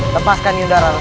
lepaskan yundara rasa